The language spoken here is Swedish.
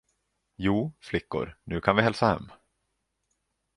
Jo, flickor, nu kan vi hälsa hem.